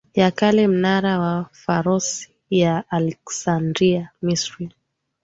ya Kale Mnara wa Pharos ya Aleksandria Misri